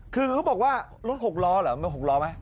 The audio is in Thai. คือเขาบอกว่ารถ๖ล้อเหรอมัน๖ล้อไหม